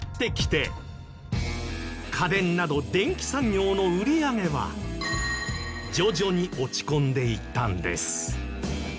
家電など電機産業の売り上げは徐々に落ち込んでいったんです